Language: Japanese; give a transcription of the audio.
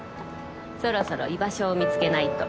そろそろ居場所を見つけないと。